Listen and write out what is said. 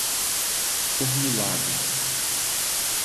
formulado